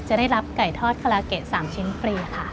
จะได้รับไก่ทอดคาราเกะ๓ชิ้นฟรีค่ะ